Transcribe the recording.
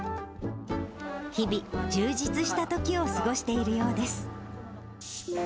日々、充実したときを過ごしているようです。